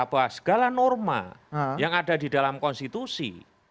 bahwa segala norma yang ada di dalam konstitusi